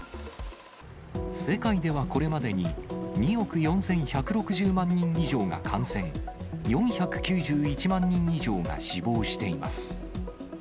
世界ではこれまでに、２億４１６０万人以上が感染、４９１万人以上が死亡しています。